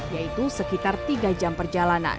yaitu sekitar tiga jam perjalanan